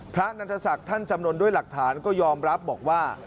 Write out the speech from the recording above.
นันทศักดิ์ท่านจำนวนด้วยหลักฐานก็ยอมรับบอกว่า